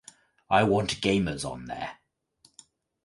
I want gamers on there.